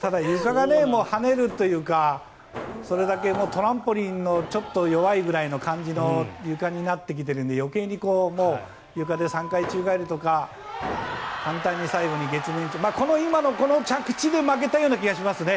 ただ、ゆかが跳ねるというかそれだけトランポリンのちょっと弱いくらいの感じのゆかになってきてるので余計にゆかで３回宙返りとかこの今の着地で負けたような気がしますね。